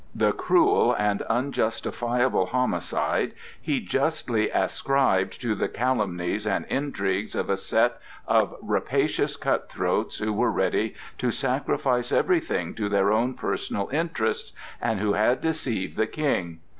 The cruel and unjustifiable homicide he justly ascribed to the calumnies and intrigues of a set of rapacious cut throats who were ready to sacrifice everything to their own personal interests, and who had deceived the King.